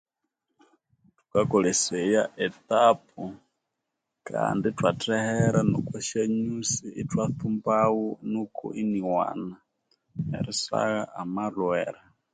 Thukakolesaya etapu kandi ithwa thehera noko syanyusi ithwa tsumba ghu nuku iniwana erisagha amalhwere